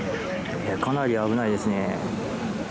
かなり危ないですね。